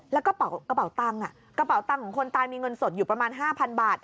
แล้วก็กระเป๋าตังค์ของคนตายมีเงินสดอยู่ประมาณ๕๐๐๐บาท